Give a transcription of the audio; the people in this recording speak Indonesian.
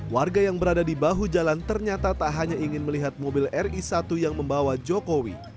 warga yang berada di bahu jalan ternyata tak hanya ingin melihat mobil ri satu yang membawa jokowi